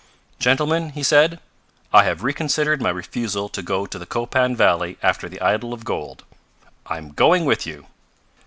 "Gentlemen," he said, "I have reconsidered my refusal to go to the Copan valley after the idol of gold. I'm going with you!"